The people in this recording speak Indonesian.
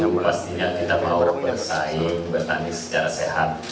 pastinya kita mau bersaing bertanding secara sehat